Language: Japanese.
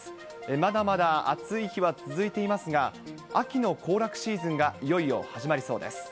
まだまだ暑い日は続いていますが、秋の行楽シーズンがいよいよ始まりそうです。